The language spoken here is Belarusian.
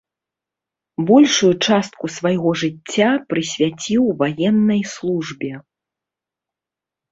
Большую частку свайго жыцця прысвяціў ваеннай службе.